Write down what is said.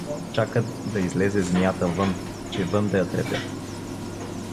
чакат да излезе змията вън, че вън да я трепят.